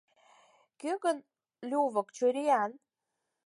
Кӧ гын лювык чуриян?